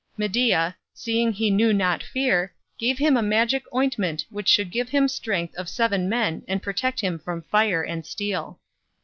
Medea, seeing that he knew not fear, gave him a magic ointment which should give him the strength of seven men and protect him from fire and steel.